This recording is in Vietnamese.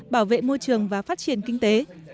bảo vệ môi trường và phát triển kinh tế